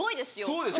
そうですよ。